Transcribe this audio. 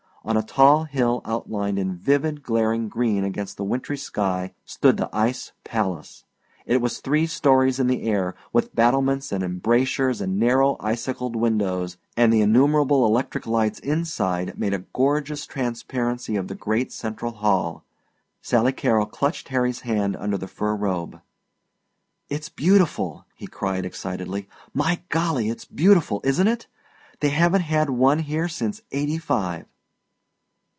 On a tall hill outlined in vivid glaring green against the wintry sky stood the ice palace. It was three stories in the air, with battlements and embrasures and narrow icicled windows, and the innumerable electric lights inside made a gorgeous transparency of the great central hall. Sally Carrol clutched Harry's hand under the fur robe. "It's beautiful!" he cried excitedly. "My golly, it's beautiful, isn't it! They haven't had one here since eighty five!"